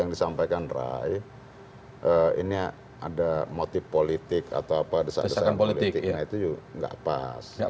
yang disampaikan rai ini ada motif politik atau apa desa desaan politik itu juga enggak pas enggak